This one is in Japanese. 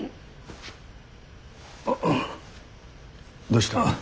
どうした？